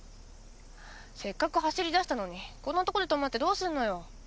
せっかく走り出したのにこんなとこで止まってどうすんのよ？